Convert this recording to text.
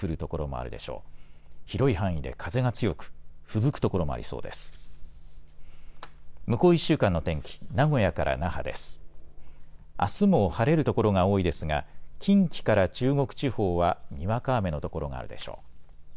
あすも晴れる所が多いですが近畿から中国地方はにわか雨の所があるでしょう。